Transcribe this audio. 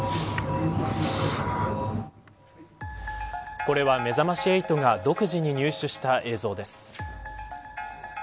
これはめざまし８が独自に入手した映像です。